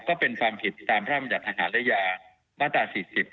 ก็เป็นความผิดตามภาพมัญญาณทหารและยามาตรา๔๐